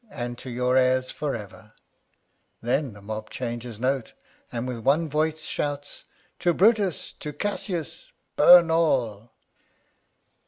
And to your heirs for ever ; then the mob changes note, and with one voice shouts, " To Brutus, to Cassius ;— burn all